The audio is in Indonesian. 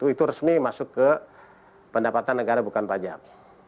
itu resmi masuk ke pendapatan negara bukan pajak